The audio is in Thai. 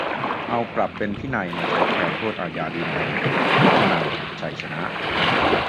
เอา "ปรับเป็นพินัย" มาใช้แทน "โทษอาญา" ดีไหม - คนันท์ ชัยชนะ